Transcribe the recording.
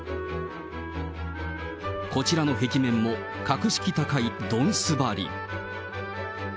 こちらの壁面も、格式高いどんす張り。